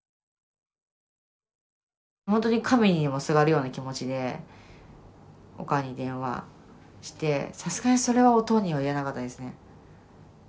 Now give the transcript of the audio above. ほんとに神にもすがるような気持ちでおかんに電話してさすがにそれはおとんには言えなかったですね。